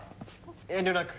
遠慮なく。